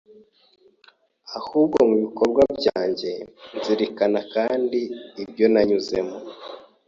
ahubwo mu bikorwa byanjye. Nzirikana kandi ibyo nanyuzemo